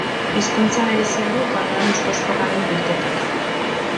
Hizkuntza berezia du pandanus koxkorraren bilketak.